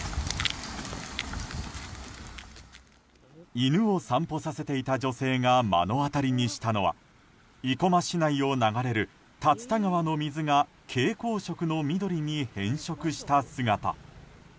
犬を散歩させていた女性が目の当たりにしたのは生駒市内を流れる竜田川の水が蛍光色の緑に変色した姿。